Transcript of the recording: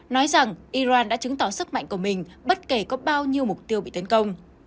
nói rằng iran đã chứng tỏ sức mạnh của mình bất kể có bao nhiêu mục tiêu bị tấn công